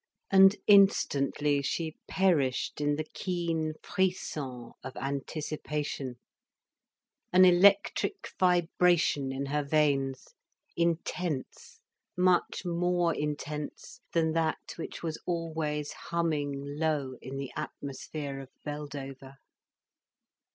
And instantly she perished in the keen frisson of anticipation, an electric vibration in her veins, intense, much more intense than that which was always humming low in the atmosphere of Beldover.